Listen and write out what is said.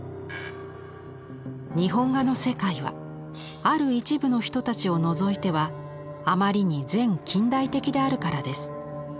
「日本画の世界はある一部の人たちをのぞいてはあまりに前近代的であるからです。